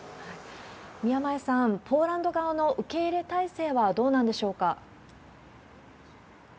宮前さん、ポーランド側の受け入れ態勢はどうなんでしょうか。